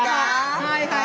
はいはい。